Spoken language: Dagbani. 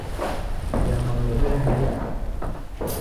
Yɛlimaŋli bi lahi yɛra.